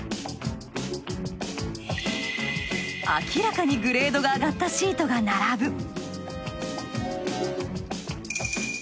明らかにグレードが上がったシートが並ぶ。